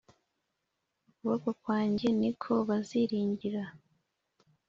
Ukuboko kwanjye ni ko baziringira